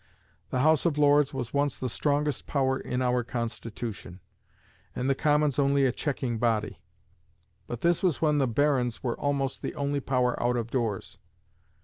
The House of Lords was once the strongest power in our Constitution, and the Commons only a checking body; but this was when the barons were almost the only power out of doors.